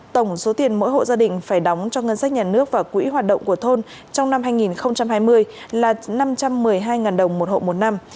tổng số tiền mỗi hộ gia đình phải đóng cho ngân sách nhà nước và quỹ hoạt động của thôn trong năm hai nghìn hai mươi là năm trăm một mươi hai đồng một hộ một năm